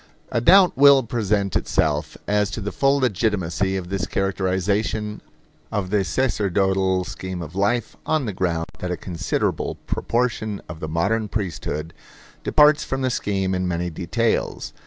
A doubt will present itself as to the full legitimacy of this characterization of the sacerdotal scheme of life, on the ground that a considerable proportion of the modern priesthood departs from the scheme in many details.